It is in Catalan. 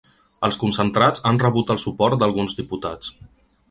Els concentrats han rebut el suport d’alguns diputats.